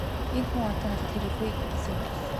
Энэ хүн одоо надад хэрэггүй -гэлээ.